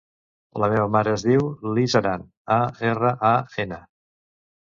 La meva mare es diu Lis Aran: a, erra, a, ena.